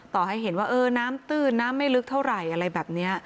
ต่อให้เห็นว่าเออน้ำตื้นน้ำไม่ลึกเท่าไหร่อะไรแบบนี้